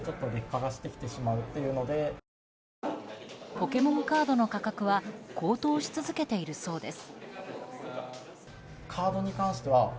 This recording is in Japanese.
ポケモンカードの価格は高騰し続けているそうです。